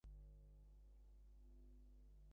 এখানকার কাজ আমার আপাতত শেষ হয়েছে।